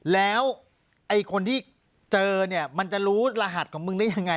แล้วไอ้คนที่เจอเนี่ยมันจะรู้รหัสของมึงได้ยังไง